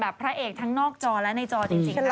แบบพระเอกทั้งนอกจอและในจอจริง